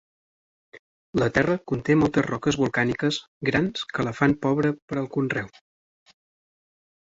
La terra conté moltes roques volcàniques grans que la fan pobra per al conreu.